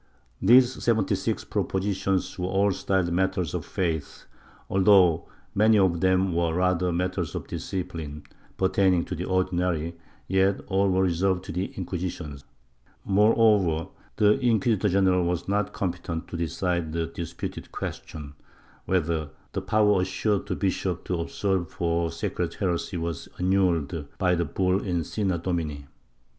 These seventy six propositions were all styled matters of faith, although many of them were rather matters of discipline, pertaining to the Ordinary, yet all were reserved to the Inquisition. Moreover, the inquisitor general was not competent to decide the disputed question whether the power assured to bishops to absolve for secret heresy v/as annulled by the bull in Ccena Domini.